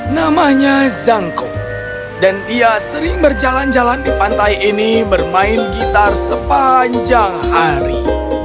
namanya zangko dan ia sering berjalan jalan di pantai ini bermain gitar sepanjang hari